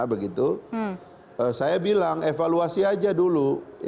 saya bilang evaluasi aja dulu